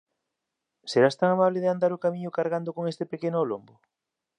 Serás tan amable de andar o camiño cargando con este pequeno ao lombo?